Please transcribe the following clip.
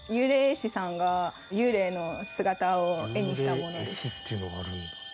ここで幽霊絵師っていうのがあるんだ。